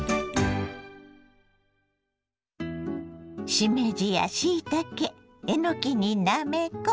しめじやしいたけえのきになめこ。